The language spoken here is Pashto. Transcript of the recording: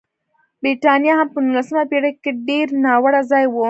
برېټانیا هم په نولسمه پېړۍ کې ډېر ناوړه ځای و.